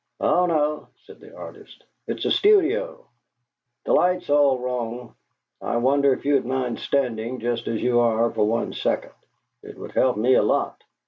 "Oh no," said the artist; "it's a studio. The light's all wrong. I wonder if you would mind standing just as you are for one second; it would help me a lot!"